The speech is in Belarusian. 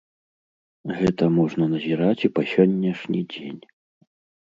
Гэта можна назіраць і па сённяшні дзень.